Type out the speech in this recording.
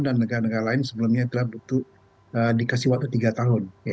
dan negara negara lain sebelumnya telah butuh dikasih waktu tiga tahun